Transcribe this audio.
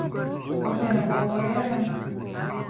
O seni gowy görýär-ä.